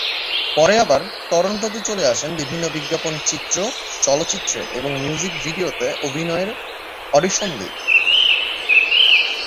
পরে আবার টরন্টোতে চলে আসেন বিভিন্ন বিজ্ঞাপন চিত্র, চলচ্চিত্রে, এবং মিউজিক ভিডিও তে অভিনয়ের অডিশন দিতে।